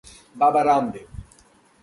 Baba Ramdev